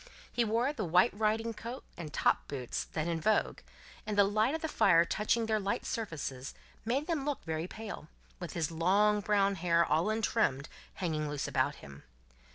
He wore the white riding coat and top boots, then in vogue, and the light of the fire touching their light surfaces made him look very pale, with his long brown hair, all untrimmed, hanging loose about him.